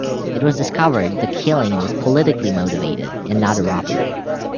It was discovered the killing was politically motivated and not a robbery.